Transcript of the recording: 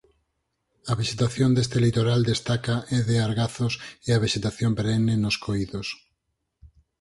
A vexetación deste litoral destaca é de argazos e a vexetación perenne nos coídos.